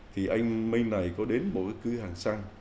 thì anh minh này có đến một cái cư hàng xăng